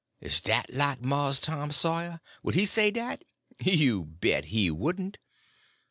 Is dat like Mars Tom Sawyer? Would he say dat? You bet he wouldn't!